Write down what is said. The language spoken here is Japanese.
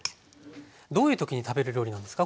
どういう時に食べる料理なんですか？